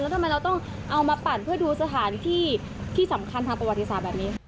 แล้วทำไมเราต้องเอามาปั่นเพื่อดูสถานที่ที่สำคัญทางประวัติศาสตร์แบบนี้ค่ะ